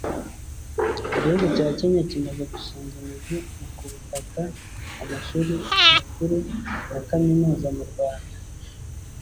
Igihugu cya Kenya kimaze gushinga imizi mu kubaka amashuri makuru na kaminuza mu Rwanda